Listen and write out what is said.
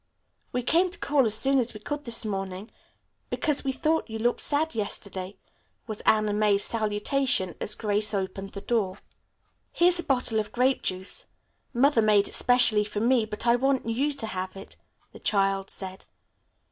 "We came to call as soon as we could this morning, because we thought you looked sad yesterday," was Anna May's salutation as Grace opened the door. "Here's a bottle of grape juice. Mother made it specially for me, but I want you to have it," the child said.